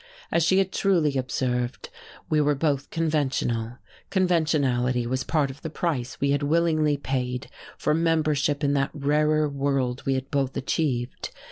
As she had truly observed, we were both conventional; conventionality was part of the price we had willingly paid for membership in that rarer world we had both achieved.